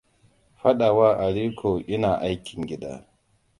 Fadawa Alikoa ina aikin gida.